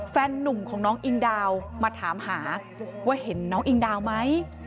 นุ่มของน้องอิงดาวมาถามหาว่าเห็นน้องอิงดาวไหม